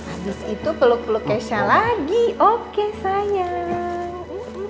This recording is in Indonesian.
abis itu peluk peluk keisha lagi oke sayang